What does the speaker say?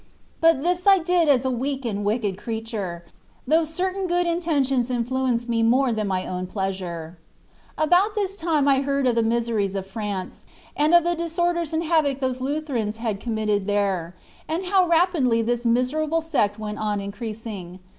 But this I did as a weak and wicked creature, though certain good inten tions influenced me more than my own pleasure. About this time I heard of the miseries of France, and of the disorders and havoc those Lutherans had committed there, and how rapidly this miserable sect went on increasing.